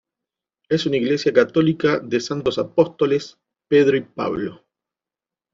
Es una iglesia católica de Santos Apóstoles Pedro y Pablo.